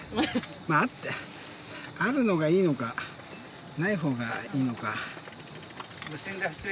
まああるのがいいのか、ないほうがいいのか。